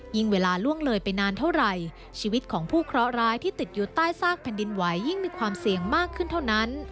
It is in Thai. เวลาล่วงเลยไปนานเท่าไหร่ชีวิตของผู้เคราะห์ร้ายที่ติดอยู่ใต้ซากแผ่นดินไหวยิ่งมีความเสี่ยงมากขึ้นเท่านั้น